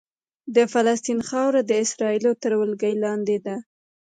د فلسطین خاوره د اسرائیلو تر ولکې لاندې ده.